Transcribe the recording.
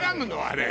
あれ。